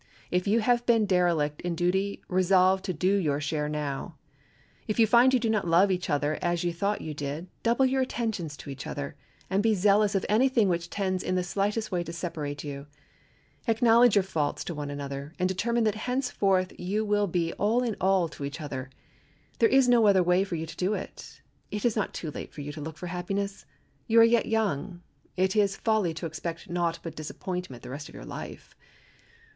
If you have been derelict in duty resolve to do your share now. If you find you do not love each other as you thought you did double your attentions to each other, and be zealous of any thing which tends in the slightest way to separate you. Acknowledge your faults to one another, and determine that henceforth you will be all in all to each other. There is no other way for you to do. It is not too late for you to look for happiness. You are yet young. It is folly to expect naught but disappointment the rest of your life.